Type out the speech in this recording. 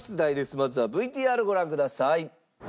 まずはＶＴＲご覧ください。